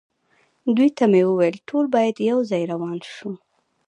دوی ته مې وویل: ټول باید یو ځای روان نه شو.